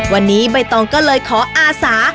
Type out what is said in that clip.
วันนี้ใบตองก็เลยขออาสา